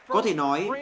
có thể nói